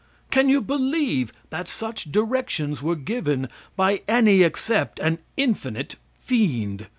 Can you believe that such directions were given by any except an infinite fiend?